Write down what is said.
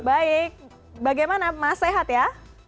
baik bagaimana mas sehat ya